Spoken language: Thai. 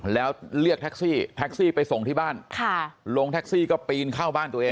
แล้วเรียกแท็กซี่แท็กซี่ไปส่งที่บ้านลงแท็กซี่ก็ปีนเข้าบ้านตัวเอง